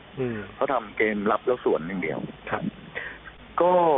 อืมเขาทำเกมรับแล้วสวนอย่างเดียวครับก็